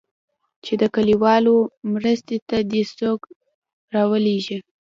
چې د کليوالو مرستې ته دې څوک راولېږي.